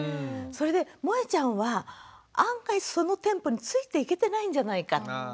それでもえちゃんは案外そのテンポについていけてないんじゃないかって。